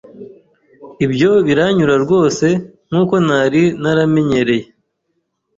ibyo biranyura rwose. Nk’uko nari naramenyereye,